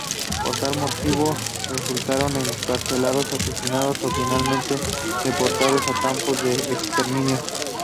Por tal motivo, resultaron encarcelados, asesinados o finalmente deportados a campos de exterminio.